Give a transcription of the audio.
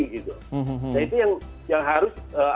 jadi yang harus